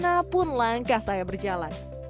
saya pun langkah saya berjalan